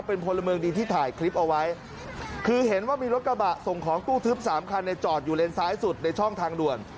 เป็นพลเมืองดีที่ถ่ายคลิปเอาไว้คือเห็นว่ามีรถกระบะส่งของตู้ทึบสามคันในจอดอยู่เลนซ้ายสุดในช่องทางด่วน